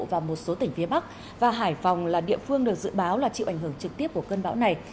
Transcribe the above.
và một số tỉnh phía bắc và hải phòng là địa phương được dự báo là chịu ảnh hưởng trực tiếp của cơn bão này